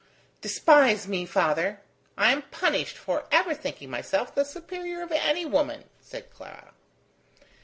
"Despise me, father. I am punished for ever thinking myself the superior of any woman," said Clara.